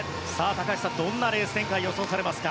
高橋さん、どんなレース展開を予想されますか。